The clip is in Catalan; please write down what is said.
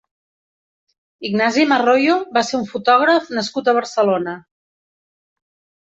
Ignasi Marroyo va ser un fotògraf nascut a Barcelona.